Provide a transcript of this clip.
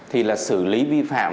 thì là xử lý vi phạm